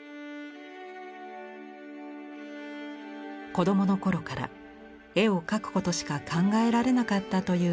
子どもの頃から絵を描くことしか考えられなかったという野見山さん。